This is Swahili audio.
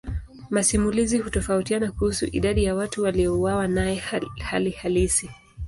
Masimulizi hutofautiana kuhusu idadi ya watu waliouawa naye hali halisi.